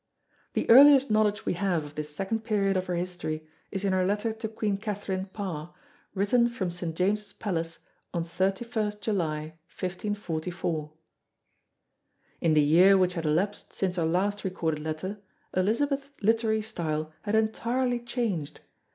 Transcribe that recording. The earliest knowledge we have of this second period of her history is in her letter to Queen Catherine (Parr) written from St. James' Palace on 31 July, 1544. In the year which had elapsed since her last recorded letter Elizabeth's literary style had entirely changed.